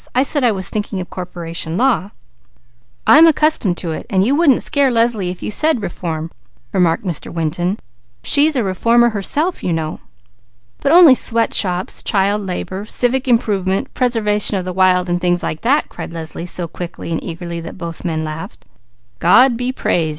"I said I was thinking of corporation law." "I'm accustomed to it; while you wouldn't scare Leslie if you said 'reform,'" remarked Mr. Winton. "She's a reformer herself, you know." "But only sweat shops, child labour, civic improvement, preservation of the wild, and things like that!" cried Leslie so quickly and eagerly, that both men laughed. "God be praised!"